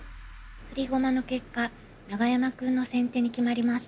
振り駒の結果永山くんの先手に決まりました。